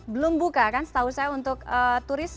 belum buka kan setahu saya untuk turis